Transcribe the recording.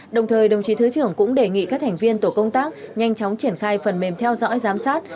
đồng thời đồng chí thứ trưởng cũng đề nghị các thành viên tổ công tác nhanh chóng triển khai phần mềm theo dõi giám sát